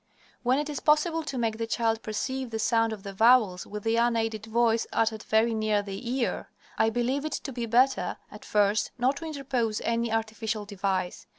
When it is possible to make the child perceive the sound of the vowels with the unaided voice uttered very near the ear, I believe it to be better, at first, not to interpose any artificial device.